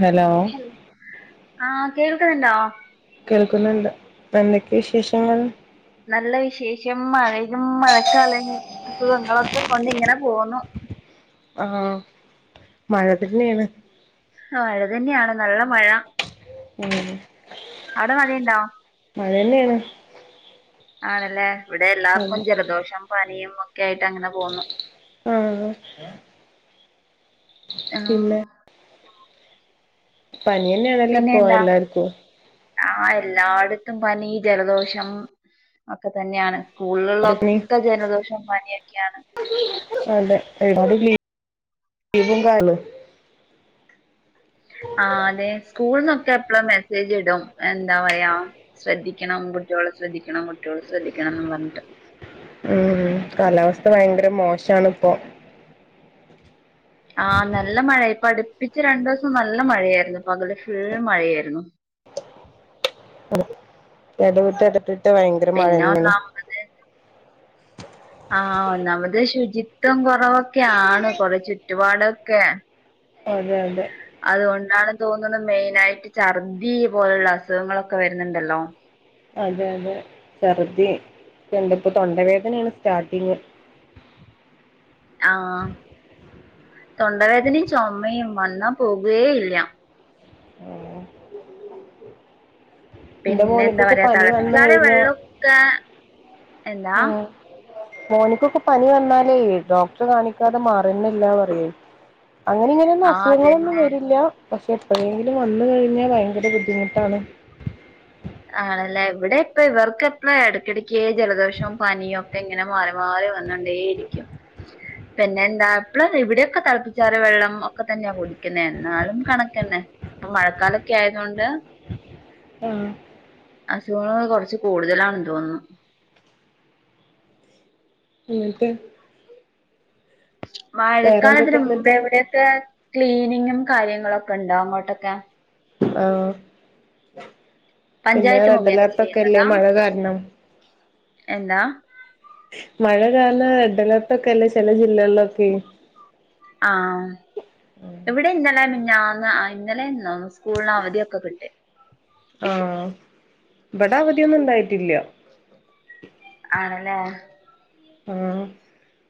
Hello ആ കേൾക്കുന്നുണ്ടോ കേൾക്കുന്നുണ്ട് എന്തൊക്കെ വിശേഷങ്ങൾ നല്ല വിശേഷം മഴയിലും മഴക്കാലം അസുഖങ്ങളൊക്കെ കൊണ്ട് ഇങ്ങനെ പോന്നു ആ മഴ തന്നെയാണ് മഴ തന്നെയാണ് നല്ല മഴ [unintelligible] അവിടെ മഴയണ്ടോ മഴ തന്നെയാണ് ആണല്ലേ ഇവിടെ അതെ എല്ലാവർക്കും ജലദോഷം പനിയും ഒക്കെ ആയിട്ട് അങ്ങനെ പോകന്നുന്നു ആ ആഹ് പിന്നെ പനി തന്നെയാണല്ലോ ഇപ്പോ എല്ലാർക്കും ആ എല്ലായിടത്തും പനി ജലദോഷം ഒക്കെ തന്നെയാണ് സ്കൂളിലൊക്കെ ജനദോഷം പനിയൊക്കെയാണ് [unintelligible] ആ അതെ സ്കൂളന്നൊക്കെ എപ്പഴും മെസ്സേജ് ഇടും എന്താ പറയാ ശ്രദ്ധിക്കണം കുട്ടികെ ശ്രദ്ധിക്കണം കുട്ടികൾ ശ്രദ്ധിക്കണംന്ന് പറഞ്ഞിട്ട് മ് കാലാവസ്ഥ ഭയങ്കര മോശണ ഇപ്പോ ആ നല്ല മഴയ ഇപ്പ അടുപ്പിച്ച് രണ്ടു ദിവസം നല്ല മഴയായിരുന്നു പകല് ഫുൾ മഴയായിരുന്നു ഇടവിട്ട് ഇടത്തിട്ട് ഭയങ്കര മഴ പിന്നെ തെയാണ് ഒന്നാമത് ആഹ് ഒന്നാമത് ശുചിത്വം കുറവൊക്കെയാണ് കൊറ ചുറ്റുപാടൊക്കെ അതെ അതെ അതുകൊണ്ടാണ് തോന്നുന്നത് മെയിനായിട്ട് ഛർദി പോലുള്ള അസുഖങ്ങളൊക്കെ വരുന്നുണ്ടല്ലോ അതെ അതെ ചർദ്ദി കണ്ട ഇപ്പോ തൊണ്ടവേദനയാണ് സ്റ്റാർട്ടിങ് ആഹ് തൊണ്ടവേദനയും ചുമയും വന്നാ പോകുകേ ഇല്ല എന്റെ പിന്നെ എന്താ മോനിക്കൊക്കെ പറയാ പനി വന്ന് തിളപ്പിച്ചാല് കഴിഞ്ഞാ വെള്ളമൊക്കെ എന്താ ആഹ് മോനിക്കൊക്കെ പനി വന്നാലേ ഡോക്ടർ കാണിക്കാതെ മാറുന്നില്ല പറയും അങ്ങനെ ഇങ്ങനെയൊന്നും ആഹ് അസുഖങ്ങളൊന്നും അതന്നെ വരില്ല പക്ഷെ എപ്പോഴെങ്കിലും വന്ന് കഴിഞ്ഞാൽ ഭയങ്കര ബുദ്ധിമുട്ടാണ് ആണല്ലേ ഇവിടെ ഇപ്പം ഇവർക്കെപ്പം ഇടയ്ക്കിടയ്ക്ക് ജലദോഷവും പനിയും ഒക്കെ ഇങ്ങനെ മാറി മാറി വന്നോണ്ടേയിരിക്കും പിന്നെ എന്താ ഇപ്പള് ഇവിടെയൊക്കെ തിളപ്പിച്ചാറിയ വെള്ളം ഒക്കെ തന്നെയാ കുടിക്കുന്ന എന്നാലും കണക്ക് തന്നെ ഇപ്പം മഴക്കാലൊക്കെ ആയതുകൊണ്ട് ആഹ് അസുഖങ്ങൾ കുറച്ച് കൂടുതലാണന്ന് തോന്നുന്നു [unintelligible] മഴക്കാലത്തിന് വേറെന്തൊക്കെയാ മുമ്പ് എന്നിട്ട് ആവിടെയൊക്കെ ക്ലീനിങ്ങും കാര്യങ്ങളൊക്കെ ഉണ്ടോ അങ്ങോട്ടൊക്കെ ആഹ് പിന്നെ പഞ്ചായത്ത് റെഡ് മുഖേന അലർട്ട് ഒക്കെല്ലേ ചെയ്യുന്നതാ മഴ കാരണം എന്താ മഴ കാരണം റെഡ് അലർട്ട് ഒക്കെ അല്ലേ ചില ജില്ലകളിലൊക്കെ ആഹ് ഇവിടെ ഇന്നലെ മിഞ്ഞാന്ന് ആ ഇന്നലെന്ന സ്കൂളിന് അവധിയൊക്കെ കിട്ടി ആഹ് ഇവിടെ അവധിയൊന്നും ഉണ്ടായിട്ടില്ല ആണല്ലേ ആഹ്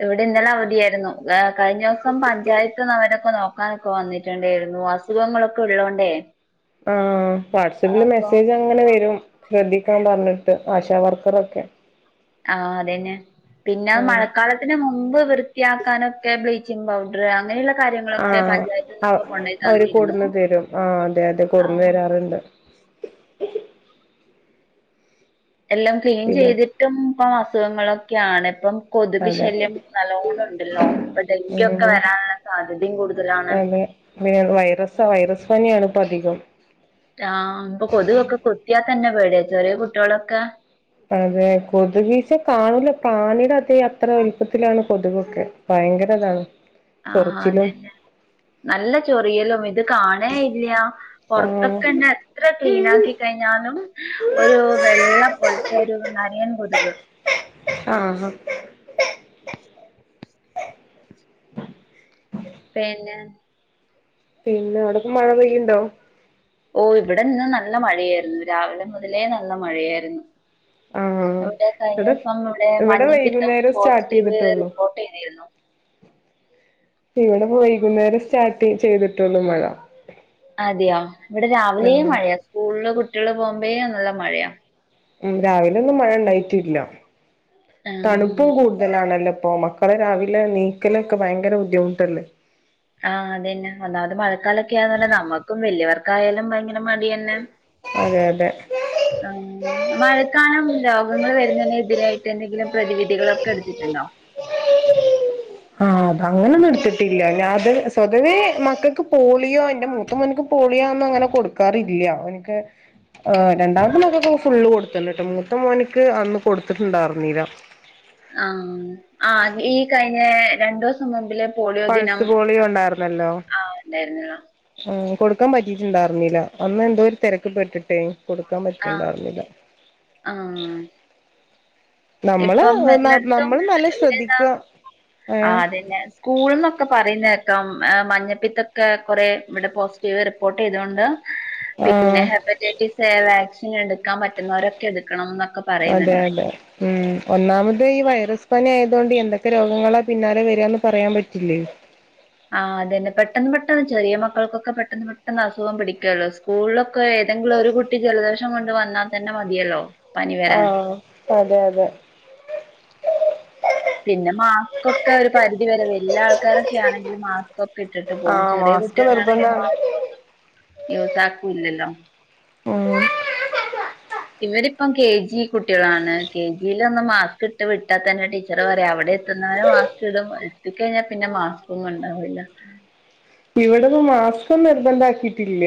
ഇവിടെ ഇന്നലെ അവധിയായിരുന്നു കഴിഞ്ഞ ദിവസം പഞ്ചായത്ത് നിന്ന് അവരൊക്കെ നോക്കാനൊക്കെ വന്നിട്ടുണ്ടായിരുന്നു അസുഖങ്ങളൊക്കെ ഉള്ളോണ്ടേ ആ വാട്സആപ്പില് അപ്പൊ മെസ്സേജ് അയ ഇങ്ങനെ വരും ശ്രദ്ധിക്കാൻ പറഞ്ഞിട്ട് ആശാ വർക്കർറൊക്കെ ആഹ് അതന്നെ പിന്നെ ആഹ് മഴക്കാലത്തിന് മുമ്പ് വൃത്തിയാക്കാനൊക്കെ ബ്ലീച്ച് പൗഡർ അങ്ങനെയുള്ള കാര്യങ്ങളൊക്കെ ആഹ് പഞ്ചായത്ത് അവ നിന്നൊക്കെ കൊണ്ടുപോയി അവര് തന്നിരുന്നു കൊടുന്ന് തരും ആഹ് അതെ അതെ കൊടുന്ന് ആഹ് തരാറുണ്ട് എല്ലാം ക്ലീൻ പിന്നെ ചെയ്തിട്ടും ഇപ്പം അസുഖങ്ങളൊക്കെയാണ് ഇപ്പം കൊതുക് അതെ ശല്യം നല്ലോണം ഉണ്ടല്ലോ ഇപ്പൊ ഡെങ്കി ഒക്കെ ഉം വരാനുള്ള സാധ്യതയും കൂടുതലാണ് വൈറസ് വൈറസ് പനിയാണ് ഇപ്പം അധികം ആഹ് ഇപ്പൊ കൊതുക് കുത്തിയാൽ തന്നെ പേടിയാ ചെറിയ കുട്ടികളൊക്കെ അതെ കൊതുകീസ കാണൂല പ്രാണിയുടെ അതെ അത്ര വലുപ്പത്തിലാണ് കൊതുകൊക്കെ ഭയങ്കര അതാണ് ആഹ് അതന്നെ നല്ല ചൊറിയലും ഇത് കാണേ ഇല്ല ആഹ് പുറത്തൊക്കെന്നെ എത്ര ക്ലീൻ ആക്കി കഴിഞ്ഞാലും ഒരു വെള്ള പോലത്തെ ഒരു നരയൻ കൊതുക് ആഹ ആഹ് പിന്നെ പിന്നെ അവിടൊക്കെ മഴ പെയ്യുണ്ടോ ഓ ഇവിടെ ഇന്ന് നല്ല മഴയായിരുന്നു രാവിലെ മുതലേ നല്ല മഴയായിരുന്നു ആഹ് ഇവിടെ കഴിഞ്ഞ ദിവസം ഇവിടെ മഞ്ഞപ്പിത്തം വൈകുന്നേരം സ്റ്റാർട്ട് പോസിറ്റീവ് ചെയ്തിട്ടുള്ളൂ റിപ്പോർട്ട് ചെയ്തിരുന്നു ഇവിടെ വൈകുന്നേരം സ്റ്റാർട്ട് ചെയ്തിട്ടുള്ളു മഴ അതെയോ ഇവിടെ രാവിലെയും ആഹ് മഴയാ സ്കൂളില് കുട്ടികള് പോകുമ്പോഴേ നല്ല മഴയാ രാവിലെ ഒന്നും മഴ ഉണ്ടായിട്ടില്ല തണു ഉം. ഏപ്പോവും കൂടുതലാണല്ലോ ഇപ്പോ മക്കളെ രാവിലെ എനിക്കലോക്കെ ഭയങ്കര ബുദ്ധിമുട്ടല്ലേ ആഹ് അതന്നെ ഒന്നാമത് മഴക്കാലൊക്കെയാന്ന നമ്മുക്കും വലിയവർക്കായാലും ഭയങ്കര മടി തന്നെ അതെ അതെ ആഹ് മഴക്കാലം രോഗങ്ങൾ വരുന്നതിന് എതിരായിട്ട് എന്തെങ്കിലും പ്രതിവിധികളൊക്കെ എടുത്തിട്ടുണ്ടോ ആഹ് അത അങ്ങനൊന്നും എടുത്തിട്ടില്ല അത് സ്വതവേ മക്കൾക്ക് പോളിയോ എന്റ മൂത്തമോനിക്ക് പൊളിയാന്നും അങ്ങനെ കൊടുക്കാറില്ല അവനിക് ആഹ് രണ്ടാമത്തെമക്കൾക്ക് ഫുള്ള് കൊടുത്തിണ്ട് മൂത്ത മോനിക്ക് അന്ന് കൊടുത്തിട്ടുണ്ടായിരുന്നീല്ല ആഹ് ആ ഈ കഴിഞ്ഞ രണ്ടു ദിവസം മുമ്പിലെ പോളിയോ ദിനം പൾസ് പോളിയോ ആഹ് ഉണ്ടായിന്നില്ല ആഹ് കൊടുക്കാൻ പറ്റിട്ടുണ്ടായിരുന്നില്ല അന്ന് എന്തോ ഒരു തിരക്ക് പെട്ടിട്ടെ കൊടുക്കാൻ പറ്റിട്ടുണ്ടായിരുന്നില്ല ആഹ് നമ്മള് ഇപ്പം എല്ലായിടത്തും നമ്മള് നല്ല ശ്രദ്ധിക്കുക [unintelligible] ഏ ആ അതന്നെ സ്കൂൾ എന്നൊക്കെ പറയുന്നേക്കാം. മഞ്ഞപ്പിത്തൊക്കെ കുറെ ഇവിടെ പോസിറ്റീവ് റിപ്പോർട്ട് ചെയ്തുകൊണ്ട് പിന്നെ ആഹ് ഹെപ്പറ്റൈറ്റിസ് എ വാക്സിൻ എടുക്കാൻ പറ്റുന്നവരൊക്കെ എടുക്കണം. എന്നൊക്കെ അതെ പറയുന്നുണ്ട് അതെ ഉം ഒന്നാമത് ഈ വൈറസ് പനി ആയത കൊണ്ട് എന്തൊക്കെ രോഗങ്ങളാ പിന്നാലെ വരിന്ന് പറയാൻ പറ്റില്ലല്ലോ. ആഹ് അതന്നെ പെട്ടെന്ന് പെട്ടെന്ന് ചെറിയ മക്കൾക്കൊക്കെ പെട്ടെന്ന് പെട്ടെന്ന് അസുഖം പടിക്കല്ലോ. സ്കൂളിലൊക്കെ ഏതെങ്കിലും ഒരു കുട്ടി ജലദോഷം കൊണ്ട് വന്നാൽ തന്നെ മതിയല്ലോ. പനി വരാൻ ആഹ് അതെ അതെ പിന്നെ മാസ്ക് ഒക്കെ ഒരു പരിധി വരവ എല്ലാ ആൾക്കാരൊക്കെയാണെങ്കിലും. മാസ്ക് ക്ക ഇട്ടിട്ട് പോകും. ആഹ് ചെറിയ മാസ്ക് കുട്ടികളാണെങ്കിൽ നിർബന്ധാണ് മാസ്ക് ഒന്നും യൂസ ആക്കൂല്ലല്ലോ. ഉം ഇവരിപ്പം കെ ജി കുട്ടികളാണ് കെ ജിൽ ഒന്ന് മാസ്ക് ഇട്ട് വിട്ടാൽ തന്നെ ടി ഇച്ചറ പറ അവിടെ എത്തുന്നവരെ മാസ്ക് ഇടും. എത്തിക്കഴിഞ്ഞാൽ പിന്നെ മാസ്കൊന്നും ഉണ്ടാവൂല്ല ഇവിടന്ന് മാസ്ക നിർബന്ധമാക്കിയിട്ടില്ല.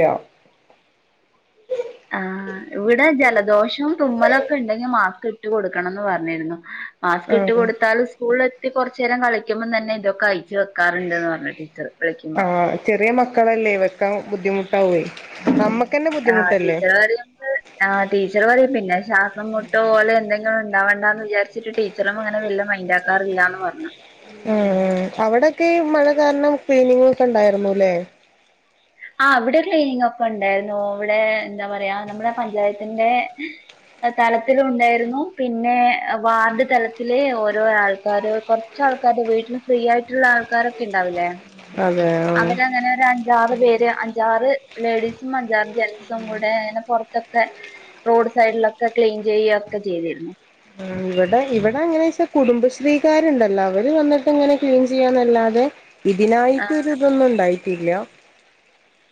ആഹ് ഇവിടെ ജലദോഷവും തുമ്മലൊക്കെ ഉണ്ടെങ്കി മാസ്ക് ഇട്ട് കൊൊടുക്കണംന്ന് പറഞ്ഞിരുന്നു. മാസ്ക് ഇട്ട് ആഹ് കൊടുത്താലും സ്കൂളില എത്തി കുറച്ച നേരം കളിക്കുമ്പം തന്നെ ഇതൊക്കെ അയച്ചു വെക്കാറുണ്ട്ന്ന് പറഞ്ഞു ടീച്ചർ. വിളിക്കുമ്പോ ആഹ് ചെറിയ മക്കളല്ലേ ഇവക്ക ബുദ്ധിമുട്ടാവേ നമ്മ ആഹ് ടീച്ചർ കാര്യം [unintelligible] ആ ടീച്ചർ പറയും പിന്ന ശ്വാസം മുട്ടോ പോലെ എന്തെങ്കിലും ഉണ്ടാവണ്ട എന്ന് വിചാരിച്ചിട്ട് ടീ ടീച്ചറൊന്നും അങ്ങനെ വല്ല മൻഡ ആക്കാറില്ലാ എന്ന് പറഞ്ഞു. ഉം ഉം അവിടെക്കെ ഈ മഴ കാരണം ക്ലിനിംഗ് ഒക്കെ ഉണ്ടായിരുന്നുല്ലേ. ആഹ് ഇവിടെ ക്ലീനിങ് ഒപ്പ ഉണ്ടായിരുന്നു. ഇവിടെ എന്താ പറയാ നമ്മുടെ പഞ്ചായത്തിന്റെ തലത്തില ഉണ്ടായിരുന്നു പിന്നെ വാർഡ് തലത്തില് ഓരോ ആൾക്കാരും. കുറച്ച ആൾക്കാര് വീട്ടിൽ ഫ്രീ ആയിട്ടുള്ള ആൾക്കാരൊക്കെ ഉണ്ടാവില്ലേ. അതെതെ അവരങ്ങനെ ഒര അഞ്ചാറ് പേര് അഞ്ചാറ് ലേഡീസും അഞ്ചാറ് ജെന്റ്സും കൂടെ അങ്ങനെ പുറത്തൊക്കെ റോഡ് സൈഡിലൊക്കെ ക്ലീൻ ചെയ്യുകയൊക്കെ ചെയ്തിരുന്നു. ഉം ഇവിടെ ഇവിടെ അങ്ങനെ വെച്ചാ കുടുംബശ്രീകാരുണ്ടല്ലോ. അവര് വന്നിട്ട് ഇങ്ങനെ ക്ലീൻ ചെയ്യാൻന്നല്ലാതെ. ആ ഇതിനായിട്ട് ഇതൊന്നും ഉണ്ടായിട്ടില്ല.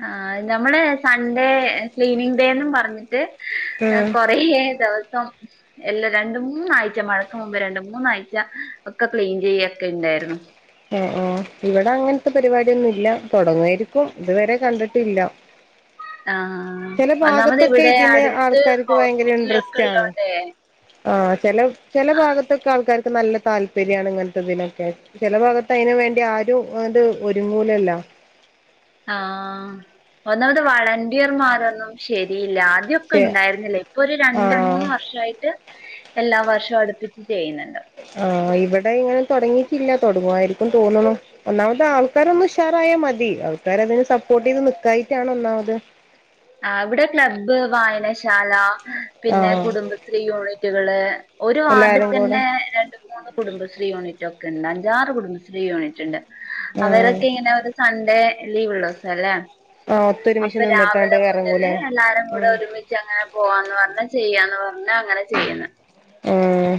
ആ നമ്മള് സൺഡേ ക്ലീനിങ് ഡേ ന്നും പറഞ്ഞിട്ട് ഏഹ് ഉം കൊറേ ദിവസം എല്ലാം രണ്ട മൂന്നാഴ്ച മഴക്ക് മുമ്പ് രണ്ട മൂന്നാഴ്ച ഒക്കെ ക്ലീൻ ചെയ്യൊക്കെ ഉണ്ടായിരുന്നു. ഏഹ് ഏഹ് ഇവിടെ അങ്ങനത്തെ പരിപാടിയൊന്നുംല്ല തുടങ്ങയിരിക്കും. ഇതുവരെ കണ്ടിട്ടില്ല ആഹ് ചില ഒന്നാമത് ഭാഗത്തൊക്കെ ഇവിടെ ഇതിന് അടുത്ത് ആൾക്കാർക്ക് ഭയങ്കര ഹോസ്പിറ്റലൊക്കെ ഇന്ട്രസ്റ്റ് ആണ് ഇള്ളോണ്ടേ ആ ചില ചില ഭാഗത്തൊക്കെ ആൾക്കാർക്ക് നല്ല താല്പര്യണ്. ഇങ്ങനത്തെ ഇതിനൊക്കെ ചില ഭാഗത്ത് അതിനന് വേണ്ടി ആരും അത് ഒരുങ്ങൂലല്ല ആഹ് ഒന്നാമത് വളണ്ടിയർമാരൊന്നും ശരിയില്ല. ആദ്യൊക്കെ പക്ഷെ ഉണ്ടായിരുന്നില്ലേ ഇപ്പൊ ഒരു രണ്ട് മൂന്ന് ആഹ് വർഷയിട്ട് എല്ലാ വർഷവും അടുപ്പിച്ച് ചെയ്യുന്നുണ്ട്. ആഹ് ഇവിടെ ഇങ്ങനെ തുടങ്ങിയിട്ടില്ല. തൊടങ്ങു ആയിരിക്കും തോന്നണ് ഒന്നാമത് ആൾക്കാര ഒന്ന് ഉഷാറായാ മതി ആൾക്കാര അതിന് സപ്പോർട്ട് ചെയ്ത് നിക്കായിട്ടാണ് ഒന്നാമത് ആഹ് ഇവിടെ ക്ലബ് വായനശാല പിന്നെ ആഹ് കുടുംബശ്രീ യൂണിറ്റുകള് ഒരു വാർഡിൽ എല്ലാരും കൂടെ തന്നെ രണ്ട മൂന്ന് കുടുംബശ്രീ യൂണിറ്റ് ഒക്കെ ഉണ്ട്. അഞ്ചാറ് കുടുംബശ്രീ യൂണിറ്റ് ഉണ്ട്. ആഹ് അവരൊക്കെ ഇങ്ങനെ ഒരു സൺഡേ ലീവ് ഉള്ളൂസ അല്ലേ. ആഹ് ഒത്തൊരുമിച്ച് നിന്നിട്ടാണ്ട് അന്നെ എറങ്ങൂലേ എല്ലാരും കൂടെ ഉം ഒരുമിച്ച് അങ്ങനെ പോവാന്ന് പറഞ്ഞഞ് ചെയ്യാന്ന് പറഞ്ഞ അങ്ങനെ ചെയ്യുന്നു. ഏഹ്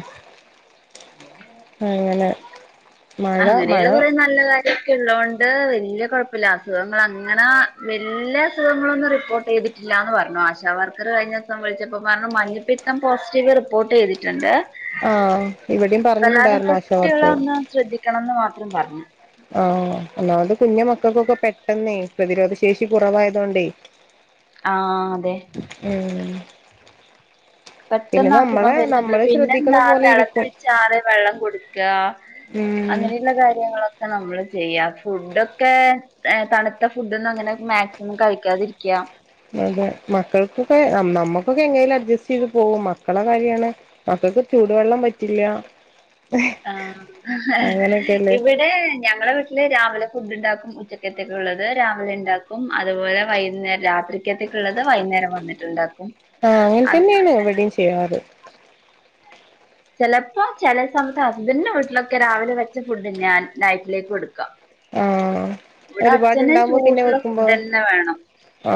അങ്ങനെ മഴ മഴ അങ്ങനെയുള്ള കുറെ നല്ല കാര്യങ്ങള് ഉള്ളതോണ്ട് വലിയ കുഴപ്പില്ല അസുഖങ്ങൾ അങ്ങനെ വല്യ അസുഖങ്ങളൊന്ന റിപ്പോർട്ട് ചെയ്തി ല്ലാന്ന് പറഞ്ഞു ആശാവർക്കർ കഴിഞ്ഞ ദിവസം വിളിച്ചപ്പോ പറഞ്ഞു മഞ്ഞിപ്പിത്തം പോസിറ്റീവ് റിപ്പോർട്ട് ചെയ്തിട്ടുണ്ട്. ആഹ ഇവിടെയും പറഞ്ഞിടണ്ടായിരുന്ന ആശവർക്കർ ശ്രദ്ധിക്കണംന്ന് മാത്രം പറഞ്ഞു ആഹ ഒന്നാമത് കുഞ്മക്കൾക്കൊക്കെ പെട്ടെന്നേ പ്രതിരോധ ശേഷി കുറവായതോണ്ടേ ആ അതെ ഉ പെട്ടെന്നസുഖം നമ്മളെ വരുന്നുണ്ടല്ലോ നമ്മള് ശ്രദ്ധിക്കണ പിന്നെന്താ പോലെ ഇരിക്കും തിളപ്പിച്ചാറ്യ വെള്ളം കുടി ക്യ ഉം അങ്ങനെയുള്ള കാര്യങ്ങളൊക്കെ നമ്മള് ചെയ്യാ ഫുഡൊക്കെ തണുത്ത ഫുഡൊന്നും അങ്ങനെ മാക്സിമം കഴിക്കാതിരിക്ക അതെ മക്കൾക്കൊക്കെ നമ്മുക്കൊക്കെ എങ്ങനെ ങ്കിലും അഡ്ജസ്റ്റ് ചെയ്ത് പോകും മക്കള കാര്യാണ് മക്കക്ക് ചൂടുവെള്ളം പറ്റില്ല ആ ഹ് അങ്ങനെയൊക്കെല്ലേ ഇവിടെ ഞങ്ങളെ വീട്ടില് രാവിലെ ഫുഡ് ഉണ്ടാക്കും ഉച്ചക്കത്തൊക്കെ ഉള്ളത് രാവിലെ ഉണ്ടാക്കും അതുപോലെ വൈകുന്നേരം രാത്രി ത്തേക്ക ഉള്ളത് വൈകുന്നേരം വന്നിട്ടുണ്ടാക്കും ആഹ അങ്ങനെ തന്നെയാണ് അങ്ങനെയൊക്കെ തന്നെ എവിടെയും ചെയ്യാറ് ചിലപ്പംചില സമയത്ത് ഹസ്ബൻഡന്റെ വീട്ടിലൊക്കെ രാവിലെ വെച്ച ഫുഡ് ന്യാ നൈറ്റിലേക്ക് കൊടുക്കാം ആഹ് ഇവിടെ അച്ഛന ഒരുപാടുണ്ടാവുമ്പോ ചൂടുള്ള ഫുഡ് തന്നെ വേണം ആ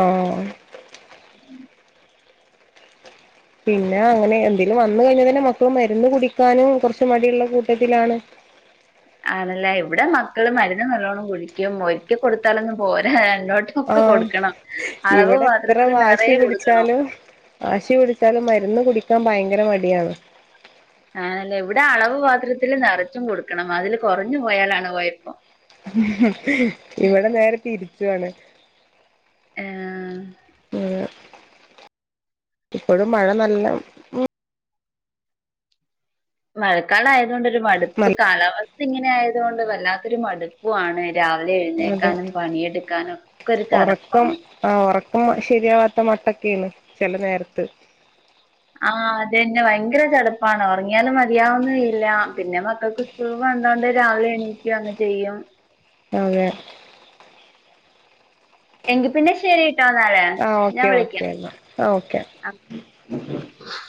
ഇതിൽ വന്ന കഴിഞ്ഞൽ തന്നെ മക്കള് മരുന്ന് കുടിക്കാനും കുറച് മടിയുള്ള കൂട്ടത്തിലാണ് ആണല്ലേ ഇവിടെ മക്കള് മരുന്ന് നല്ലോണം കഴിക്കും ഒരിക്ക കൊടുത്താലൊന്നും പോരാ എന്നോട്ട് ഒക്കെ ആഹ് കൊടുക്കണം അളവ് ഇവിടെ എത്ര പാത്രത്തില് നറ വാശി യെകൊടുക്കണം പിടിച്ചാലും വാശി പിടിച്ചാലും മരുന്ന് കുടിക്കാൻ ഭയങ്കര മടിയാണ് ആല്ല ഇവിടെ അളവ് പാത്രത്തില്ൽ നിറച്ചും കൊടുക്കണം അതില് കുറഞ്ഞു പോയാലാണ് പോയപ്പം ഹും ഇവിടെ നേരെ തിരിച്ചുുവാണ് ആഹ് പ്പോഴും മഴ നല്ല മഴക്കാലായതുകൊണ്ട് ഒരു മടുപ്പ് നല്ല കാലാവസ്ഥ ഇങ്ങനെ ആയതുകൊണ്ട് വല്ലാത്തൊരു മടുപ്പു ആണ് രാവിലെ അതെ എഴുന്നേൽക്കാനും പണിയെടുക്കാനും ഒക്കെ ഒരു ഉറക്കം തണപ്പാണ് ആ ഒറക്കം ശരിയാവാത്ത മട്ടൊക്കെണ് ചെല നേരത്ത് ആഹ് അതന്നെ ഭയങ്കര ചടപ്പാണ് ഉറങ്ങിയാലും മതിയാവുന്നുല്ല പിന്നെ മക്കൾക്ക് വന്നോണ്ട് രാവിലെ എണീക്കുഅങ്ങ് ചെയ്യും അതെ എങ്കി പിന്നെ ശരി [unintelligible] ആ ഞാൻ ഓക്കെ വിളിക്കാം ഓക്കേല്ലാ ആ ഓക്കെ ഉ